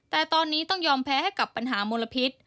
แต่ตอนนี้ต้องยอมแพ้ให้กับปัญหามลพิษ